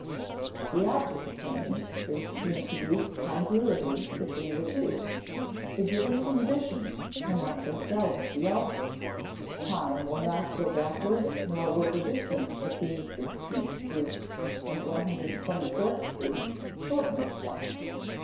The object of thinking is to introduce congruity between the two. The given conditions cannot themselves be altered; time will not go backward nor will the distance between 16th Street and 124th Street shorten itself.